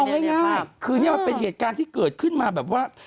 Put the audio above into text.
เอาง่ายคือเป็นเหตุการณ์ที่เกิดขึ้นมาแบบว่า